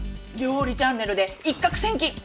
料理チャンネルで一獲千金！